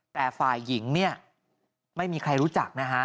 แต่ฝ่ายหญิงเนี่ยไม่มีใครรู้จักนะฮะ